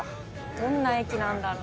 どんな駅なんだろう？